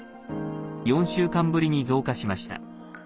４週間ぶりに増加しました。